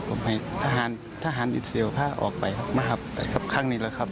ผมให้ทหารอิสราเอลพาออกไปครับมาขับตะวันนี้แล้วครับ